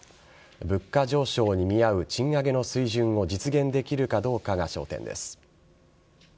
物価上昇に見合う賃上げの水準を実現できるかどうかが焦点です。